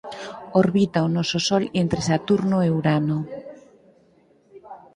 Orbita o noso Sol entre Saturno e Urano.